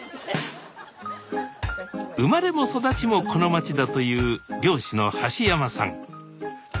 生まれも育ちもこの町だという漁師の橋山さん。